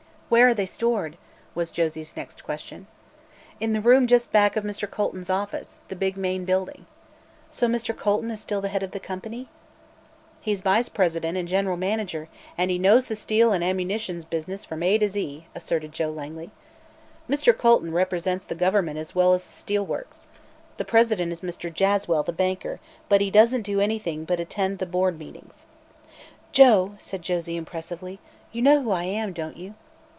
"Where are they stored?" was Josie's next question. "In the room just back of Mr. Colton's office the big main building." "So Mr. Colton is still the head of the company?" "He's Vice President and General Manager, and he knows the steel and ammunition business from A to Z," asserted Joe Langley. "Mr. Colton represents the government as well as the steel works. The President is Mr. Jaswell, the banker, but he doesn't do anything but attend the Board meetings." "Joe," said Josie impressively, "you know who I am, don't you?"